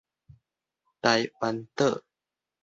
台灣島